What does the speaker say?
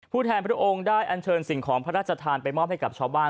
แทนพระองค์ได้อันเชิญสิ่งของพระราชทานไปมอบให้กับชาวบ้าน